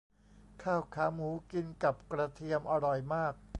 ข้าวขาหมูกินกับกระเทียมอร่อยมาก